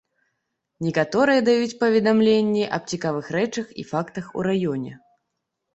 Некаторыя даюць паведамленні аб цікавых рэчах і фактах у раёне.